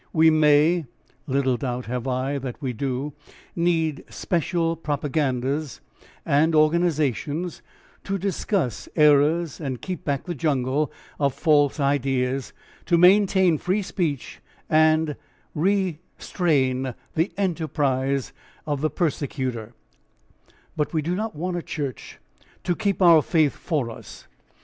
We may (little doubt have I that we do) need special propagandas and organisations to discuss errors and keep back the jungle of false ideas, to maintain free speech and restrain the enterprise of the persecutor, but we do not want a church to keep our faith for us.